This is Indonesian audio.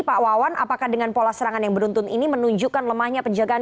pak wawan apakah dengan pola serangan yang beruntun ini menunjukkan lemahnya penjagaan